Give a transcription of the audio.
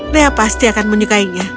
leah pasti akan menyukainya